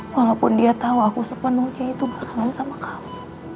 walaupun dia tau aku sepenuhnya itu bakalan sama kamu